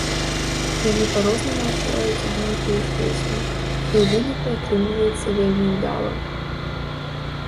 Яны па-рознаму адчуваюць адну і тую ж песню, і ў выніку атрымліваецца вельмі ўдала.